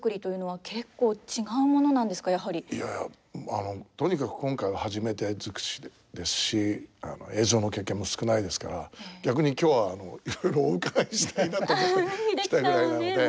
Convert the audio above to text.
いやあのとにかく今回は初めて尽くしですし映像の経験も少ないですから逆に今日はいろいろお伺いしたいなと思って来たぐらいなので。